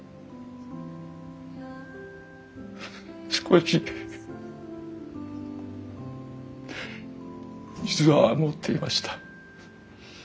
少し水は持っていました。